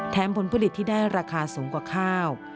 ผลผลิตที่ได้ราคาสูงกว่าข้าว